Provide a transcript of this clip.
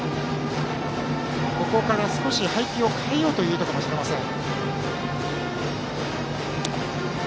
ここから少し配球を変えようという意図かもしれません。